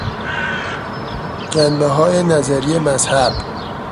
جنبههای نظری مذهب